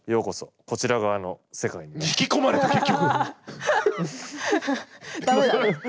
引き込まれた結局。